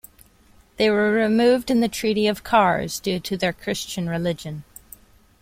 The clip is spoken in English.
They were removed in the Treaty of Kars due to their Christian religion.